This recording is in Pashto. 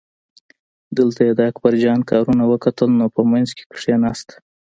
دلته یې د اکبرجان کارونه وکتل نو په منځ کې کیناست.